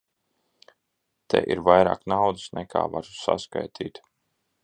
Te ir vairāk naudas, nekā varu saskaitīt.